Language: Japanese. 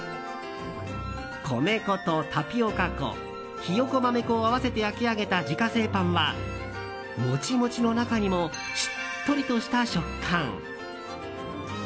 米粉とタピオカ粉ヒヨコ豆粉を合わせて焼き上げた自家製パンは、モチモチの中にもしっとりとした食感。